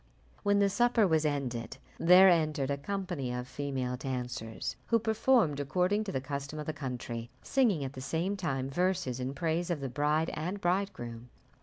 When the supper was ended, there entered a company of female dancers, who performed, according to the custom of the country, singing at the same time verses in praise of the bride and bridegroom.